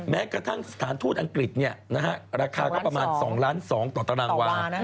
แม้กระทั่งสถานทูตอังกฤษราคาก็ประมาณ๒๒๐๐ต่อตารางวา